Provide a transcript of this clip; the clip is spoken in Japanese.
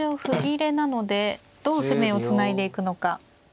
歩切れなのでどう攻めをつないでいくのか。